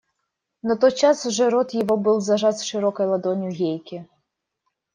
Но тотчас же рот его был зажат широкой ладонью Гейки.